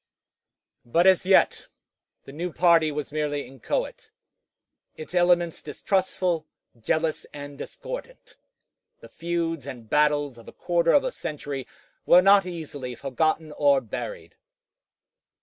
But as yet the new party was merely inchoate, its elements distrustful, jealous, and discordant; the feuds and battles of a quarter of a century were not easily forgotten or buried.